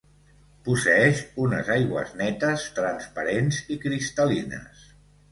Posseeix unes aigües netes, transparents i cristal·lines.